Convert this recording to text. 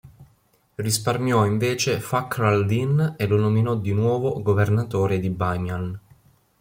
Risparmiò invece Fakhr al-Dīn e lo nominò di nuovo governatore di Bamiyan.